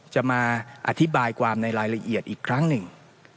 จะมาอธิบายความในรายละเอียดอีกครั้งหนึ่ง